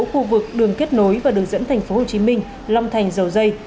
khu vực đường kết nối và đường dẫn thành phố hồ chí minh long thành dầu dây